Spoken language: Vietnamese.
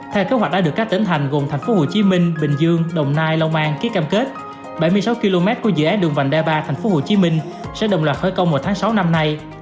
theo kế hoạch đã được các tỉnh thành gồm thành phố hồ chí minh bình dương đồng nai long an ký kèm kết bảy mươi sáu km của dự án đường vành đai ba thành phố hồ chí minh sẽ đồng loạt khởi công vào tháng sáu năm nay